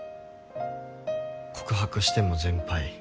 告白しても全敗。